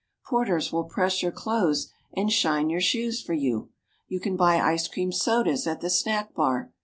Porters will press your clothes and shine your shoes for you. You can buy ice cream sodas at the snack bar.